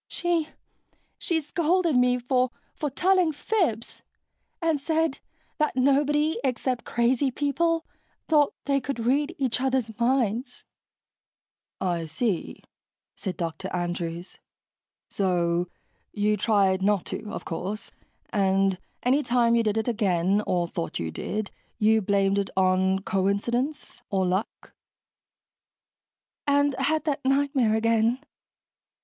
She ... she scolded me for ... for telling fibs ... and said that nobody except crazy people thought they could read each other's minds." "I see," said Dr. Andrews, "So you tried not to, of course. And anytime you did it again, or thought you did, you blamed it on coincidence. Or luck." "And had that nightmare again."